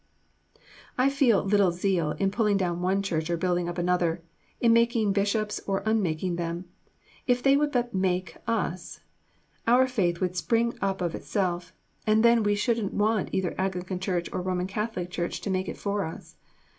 I feel little zeal in pulling down one Church or building up another, in making Bishops or unmaking them. If they would make us, our Faith would spring up of itself, and then we shouldn't want either Anglican Ch. or R.C. Church to make it for us.